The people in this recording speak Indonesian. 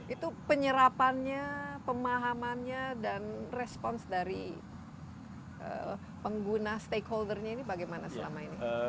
itu penyerapannya pemahamannya dan respons dari pengguna stakeholdernya ini bagaimana selama ini